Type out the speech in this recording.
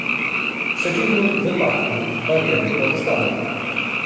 W przeciwnym wypadku bariery pozostaną